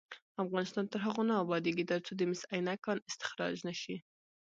افغانستان تر هغو نه ابادیږي، ترڅو د مس عینک کان استخراج نشي.